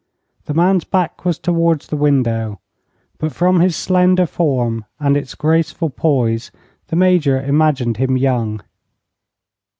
The man's back was toward the window, but from his slender form and its graceful poise the Major imagined him young.